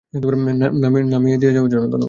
নামিয়ে দিয়ে যাওয়ার জন্য ধন্যবাদ।